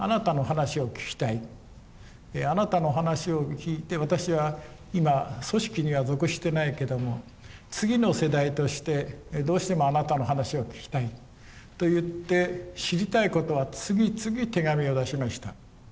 あなたの話を聞いて私は今組織には属してないけども次の世代としてどうしてもあなたの話を聞きたいと言って知りたいことは次々手紙を出しました。